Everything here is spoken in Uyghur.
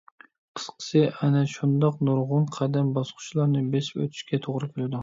قىسقىسى، ئەنە شۇنداق نۇرغۇن قەدەم - باسقۇچىلارنى بېسىپ ئۆتۈشكە توغرا كېلىدۇ.